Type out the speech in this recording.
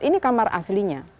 ini kamar aslinya